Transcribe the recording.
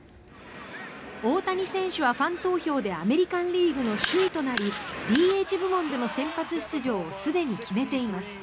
大谷選手はファン投票でアメリカン・リーグの首位となりＤＨ部門での先発出場をすでに決めています。